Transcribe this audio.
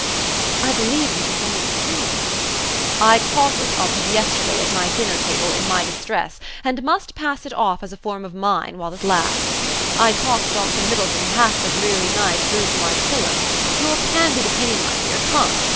"I believe it is a form of his humour." "I caught it of him yesterday at my dinner table in my distress, and must pass it off as a form of mine, while it lasts. I talked Dr. Middleton half the dreary night through to my pillow. Your candid opinion, my dear, come!